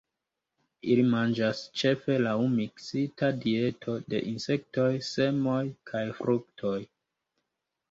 Ili manĝas ĉefe laŭ miksita dieto de insektoj, semoj kaj fruktoj.